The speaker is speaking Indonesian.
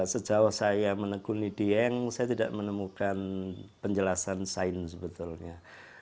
sejauh saya menekuni dieng saya tidak menemukan penjelasan sains sebetulnya